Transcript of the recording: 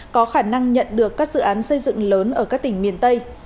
có khả năng nhận được các dự án xây dựng lớn ở các tỉnh miền tây